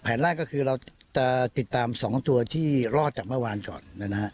แรกก็คือเราจะติดตาม๒ตัวที่รอดจากเมื่อวานก่อนนะฮะ